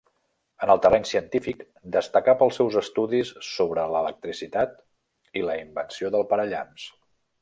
En el terreny científic destacà pels seus estudis sobre l'electricitat i la invenció del parallamps.